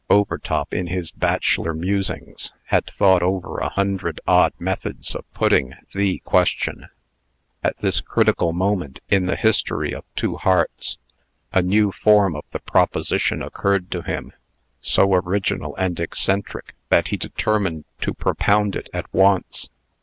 Overtop, in his bachelor musings, had thought over a hundred odd methods of putting the question. At this critical moment in the history of two hearts, a new form of the proposition occurred to him, so original and eccentric, that he determined to propound it at once.